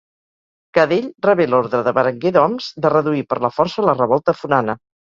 Cadell rebé l'ordre de Berenguer d'Oms de reduir per la força la Revolta Forana.